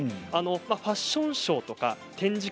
ファッションショーとか展示会